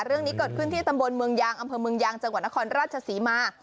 เรื่องนี้เกิดขึ้นที่ตำบลเมืองยางอำเภอเมืองยางจังหวัดนครราชศรีมา